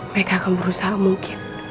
mereka akan berusaha mungkin